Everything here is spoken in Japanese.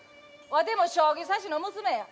わても将棋指しの娘や。